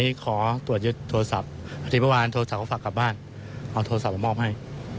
เอาโทรศัพท์ประมอบให้แล้วทางแม่เขาไม่เดินทางมา